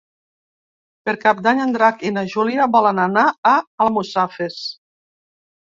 Per Cap d'Any en Drac i na Júlia volen anar a Almussafes.